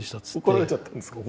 怒られちゃったんですか。